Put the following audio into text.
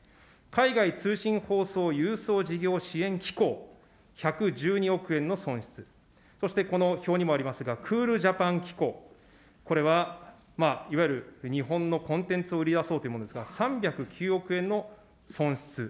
海外通信ほうそうゆうそう事業支援機構、１１２億円の損失、そしてこの表にもありますが、クールジャパン機構、これはいわゆる日本のコンテンツを売り出そうというものですが、３０９億円の損失。